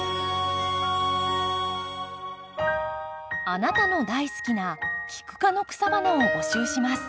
あなたの大好きなキク科の草花を募集します。